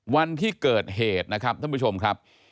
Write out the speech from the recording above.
วันที่เกิดเหตุนะครับท่านผู้ชมครับ